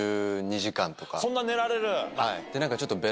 そんな寝られる？